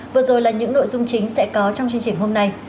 vừa rồi là những nội dung chính sẽ có trong chương trình hôm nay